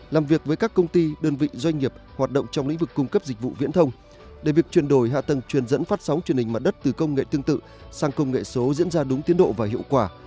làm việc với các công ty đơn vị doanh nghiệp hoạt động trong lĩnh vực cung cấp dịch vụ viễn thông để việc chuyển đổi hạ tầng truyền dẫn phát sóng truyền hình mặt đất từ công nghệ tương tự sang công nghệ số diễn ra đúng tiến độ và hiệu quả